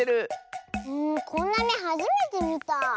こんなめはじめてみた。